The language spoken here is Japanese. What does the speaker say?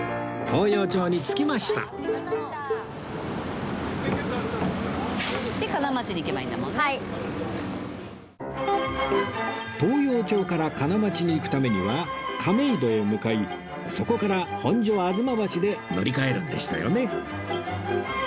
東陽町から金町に行くためには亀戸へ向かいそこから本所吾妻橋で乗り換えるんでしたよね